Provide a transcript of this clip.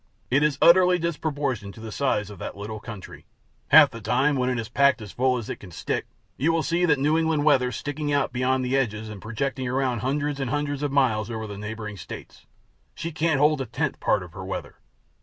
It is utterly disproportioned to the size of that little country. Half the time, when it is packed as full as it can stick, you will see that New England weather sticking out beyond the edges and projecting around hundreds and hundreds of miles over the neighboring states. She can't hold a tenth part of her weather.